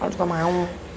aku suka mau